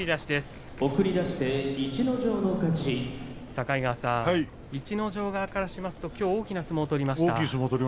境川さん、逸ノ城側からすると大きな相撲を取りました。